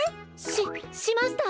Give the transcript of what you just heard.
ししました。